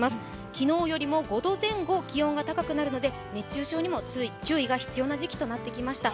昨日よりも５度前後、気温が高くなりますので熱中症にも注意が必要な時期となってきました。